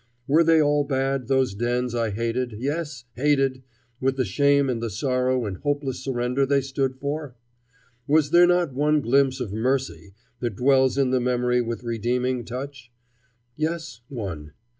Were they all bad, those dens I hated, yes, hated, with the shame and the sorrow and hopeless surrender they stood for? Was there not one glimpse of mercy that dwells in the memory with redeeming touch? Yes, one.